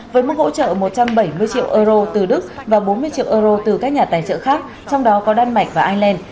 với mức hỗ trợ một trăm bảy mươi triệu euro từ đức và bốn mươi triệu euro từ các nhà tài trợ khác trong đó có đan mạch và ireland